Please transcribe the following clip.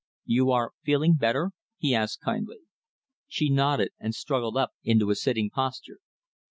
"You are feeling better?" he asked kindly. She nodded, and struggled up into a sitting posture.